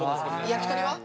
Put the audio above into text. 焼き鳥は？